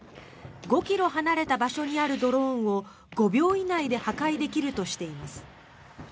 ５ｋｍ離れた場所にあるドローンを５秒以内で破壊できるとしています。